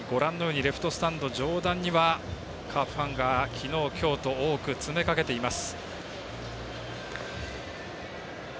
レフトスタンド上段にはカープファンが昨日、今日と多く詰めかけています。